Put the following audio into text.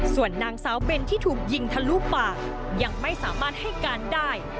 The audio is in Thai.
ส่วนนางสาวเบนที่ถูกยิงทะลุปากยังไม่สามารถให้การได้